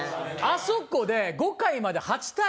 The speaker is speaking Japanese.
あそこで５回まで８対１。